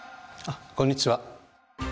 こんにちは。